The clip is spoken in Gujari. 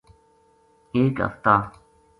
ایک ہفتہ